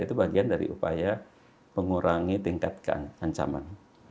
itu bagian dari upaya mengurangi tingkat keancaman